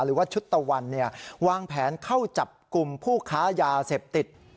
หรือว่าชุดตะวันวางแผนเข้าจับกลุ่มผู้ค้ายาเสพติด